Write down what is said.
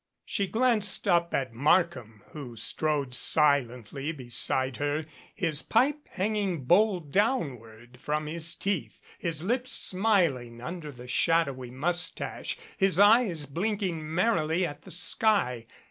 She glanced up at Markham, who strode silently be side her, his pipe hanging bowl downward from his teeth, his lips smiling under the shadowy mustache, his eyes blinking merrily at the sky.